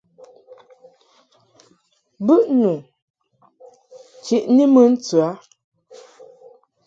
Bɨʼnu chiʼni mɨ ntɨ a.